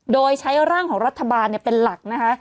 โดยใช้ร่างของรัฐบาลเป็นหลักนะคะ